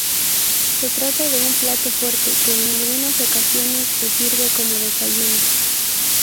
Se trata de un plato fuerte que en algunas ocasiones se sirve como desayuno.